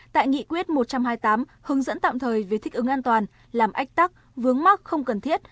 tại nghị quyết một trăm hai mươi tám hướng dẫn tạm thời về thích ứng an toàn làm ách tắc vướng mắc không cần thiết